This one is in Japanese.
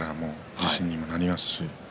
自信にもなりますし。